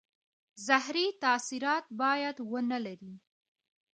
زهري تاثیرات باید ونه لري.